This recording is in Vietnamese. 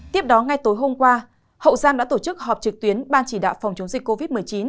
tiếp đó ngay tối hôm qua hậu giang đã tổ chức họp trực tuyến ban chỉ đạo phòng chống dịch covid một mươi chín